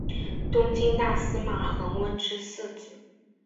东晋大司马桓温之四子。